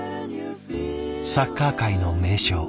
サッカー界の名将